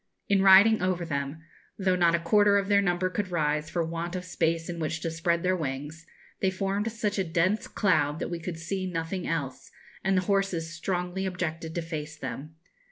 In riding over them, though not a quarter of their number could rise, for want of space in which to spread their wings, they formed such a dense cloud that we could see nothing else, and the horses strongly objected to face them.